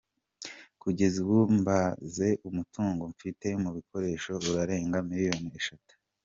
Kugeza ubu mbaze umutungo mfite mu bikoresho urarenga miliyoni eshatu.